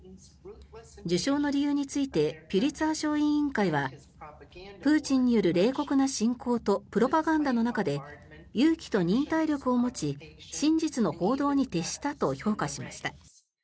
受賞の理由についてピュリツァー賞委員会はプーチンによる冷酷な侵攻とプロパガンダの中で勇気と忍耐力を持ち真実の報道に徹したと評価しました。